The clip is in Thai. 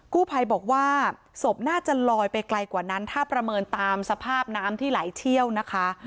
ภัยบอกว่าศพน่าจะลอยไปไกลกว่านั้นถ้าประเมินตามสภาพน้ำที่ไหลเชี่ยวนะคะ